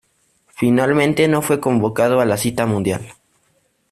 Finalmente, no fue convocado a la cita mundial.